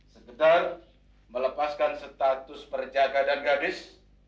sekedar melepaskan status perjaga dan gadis